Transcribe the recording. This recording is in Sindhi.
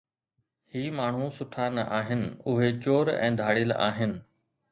هي ماڻهو سٺا نه آهن، اهي چور ۽ ڌاڙيل آهن.